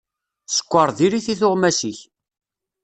Sskeṛ diri-t i tuɣmas-ik.